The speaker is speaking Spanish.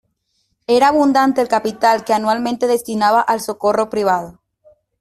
Era abundante el capital que anualmente destinaba al socorro privado.